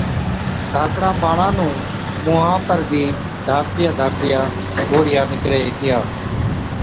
ڌاڪڙان ٻاڙان نُُون مُونها پر بِي ڌاڪڙِيا ڌاڪڙِيا گوڙهِيا نِڪري هِتِيا،